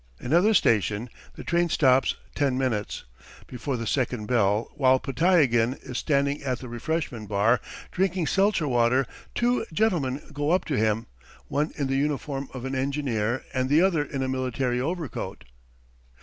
Another station. The train stops ten minutes. Before the second bell, while Podtyagin is standing at the refreshment bar, drinking seltzer water, two gentlemen go up to him, one in the uniform of an engineer, and the other in a military overcoat.